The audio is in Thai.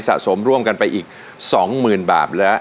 สะสมร่วมกันไปอีก๒๐๐๐บาทแล้ว